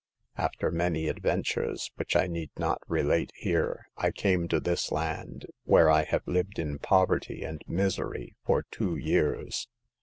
After many adventures, which I need not relate here, I came to this land, where I have lived in poverty and misery for two years.